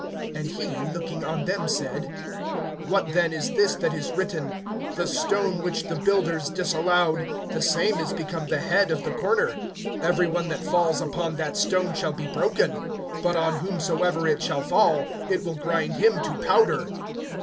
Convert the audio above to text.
(17)And he, looking on them, said: What then is this that is written, The stone which the builders disallowed, The same is become the head of the corner. (18)Every one that falls upon that stone shall be broken; but on whomsoever it shall fall, it will grind him to powder.